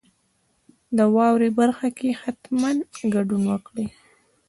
د واورئ برخه کې حتما ګډون وکړئ.